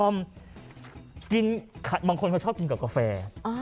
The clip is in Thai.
บางคนเขาชอบกินกับกาแฟ